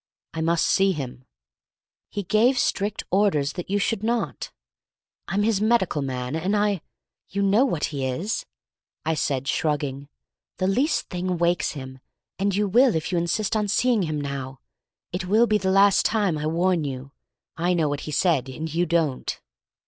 "I must see him." "He gave strict orders that you should not." "I'm his medical man, and I—" "You know what he is," I said, shrugging; "the least thing wakes him, and you will if you insist on seeing him now. It will be the last time, I warn you! I know what he said, and you don't."